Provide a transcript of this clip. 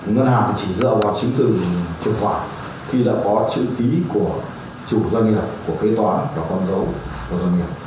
ngân hàng chỉ dựa vào chính từ chuyển khoản khi đã có chữ ký của chủ doanh nghiệp của kế toán và con dấu của doanh nghiệp